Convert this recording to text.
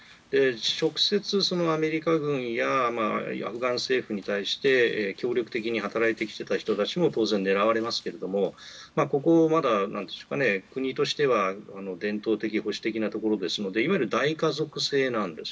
直接、アメリカ軍やアフガン政府に対して協力的に働いてきた人たちも当然、狙われますけれどもここは、国としては伝統的、保守的なところですのでいわゆる大家族制なんです。